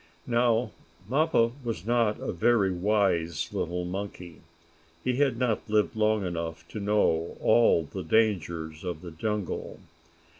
Now Mappo was not a very wise little monkey. He had not lived long enough to know all the dangers of the jungle.